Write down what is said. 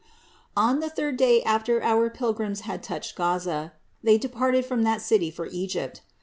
630. On the third day after our Pilgrims had touched Gaza, they departed from that city for Egypt.